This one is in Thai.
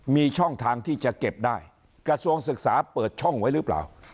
มีช่องทางที่จะเก็บได้กระทรวงศึกษาเปิดช่องไว้หรือเปล่า